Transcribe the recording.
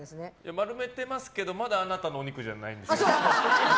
丸めてますけどまだあなたのお肉じゃないので。